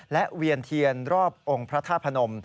และเวียนเทียนรอบองค์พระธาตุพนม